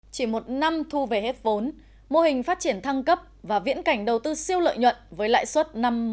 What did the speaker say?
chỉ một năm thu về hết vốn mô hình phát triển thăng cấp và viễn cảnh đầu tư siêu lợi nhuận với lãi suất